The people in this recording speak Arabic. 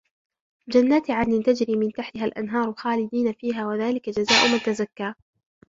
جنات عدن تجري من تحتها الأنهار خالدين فيها وذلك جزاء من تزكى